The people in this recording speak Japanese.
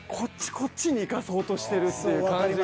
こっちにいかそうとしてるっていう感じが。